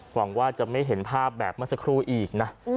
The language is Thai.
หวังว่าจะไม่เห็นภาพแบบเมื่อสักครู่อีกนะ